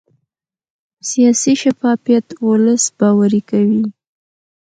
سیاسي شفافیت ولس باوري کوي